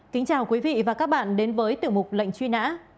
kính chào quý vị và các bạn đến với tiểu mục lệnh truy nã